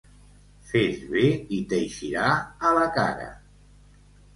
Fes bé i t'eixirà a la cara.